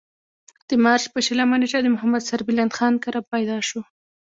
د مارچ پۀ شلمه نېټه د محمد سربلند خان کره پېدا شو ۔